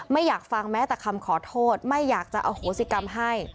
ไม่อยากฟังแม้แต่คำขอโทษไม่อยากจะอโหสิกรรมให้